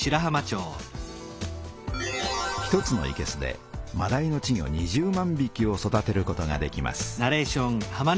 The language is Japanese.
１つのいけすでまだいの稚魚２０万びきを育てることができます。